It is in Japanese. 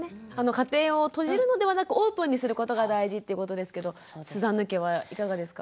家庭を閉じるのではなくオープンにすることが大事ということですけどスザンヌ家はいかがですか？